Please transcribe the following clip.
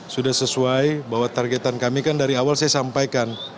sudah sesuai bahwa targetan kami kan dari awal saya sampaikan